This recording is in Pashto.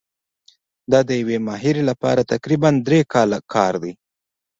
دا د یوې ماهرې لپاره تقریباً درې کاله کار دی.